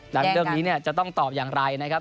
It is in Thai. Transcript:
แล้วเรื่องนี้จะต้องตอบอย่างไรนะครับ